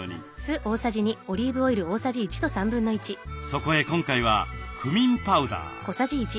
そこへ今回はクミンパウダー。